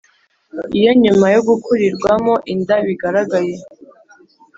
Iyo nyuma yo gukurirwamo inda bigaragaye